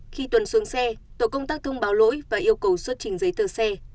khi tuấn xuống xe tổ công tắc thông báo lỗi và yêu cầu xuất trình giấy tờ xe